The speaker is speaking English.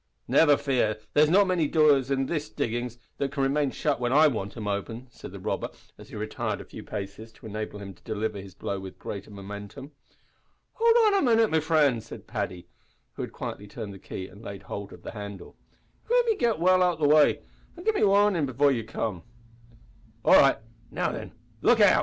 "Never fear. There's not many doors in these diggin's that can remain shut when I want 'em open," said the robber, as he retired a few paces to enable him to deliver his blow with greater momentum. "Howld on a minit, me frind," said Paddy, who had quietly turned the key and laid hold of the handle; "let me git well out o' the way, and give me warnin' before you come." "All right. Now then, look out!"